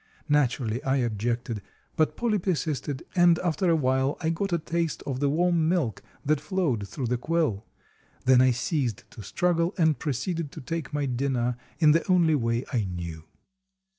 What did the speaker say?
Naturally, I objected, but Polly persisted, and after a while I got a taste of the warm milk that flowed through the quill. Then I ceased to struggle and proceeded to take my dinner in the only way I knew.